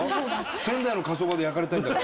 仙台の火葬場で焼かれたいんだから。